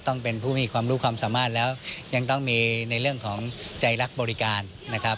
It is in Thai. ต้องเป็นผู้มีความรู้ความสามารถแล้วยังต้องมีในเรื่องของใจรักบริการนะครับ